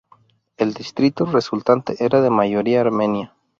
El distrito resultante era de mayoría armenia.